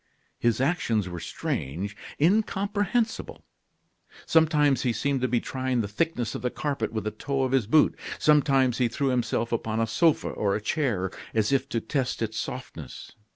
His actions were strange, incomprehensible. Sometimes he seemed to be trying the thickness of the carpet with the toe of his boot; sometimes he threw himself upon a sofa or a chair, as if to test its softness.